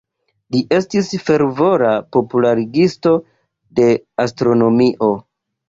Li estis fervora popularigisto de astronomio.